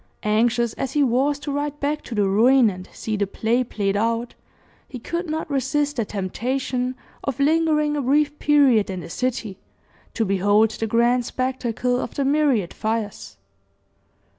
Anxious as he was to ride back to the ruin, and see the play played out, he could not resist the temptation of lingering a brief period in the city, to behold the grand spectacle of the myriad fires.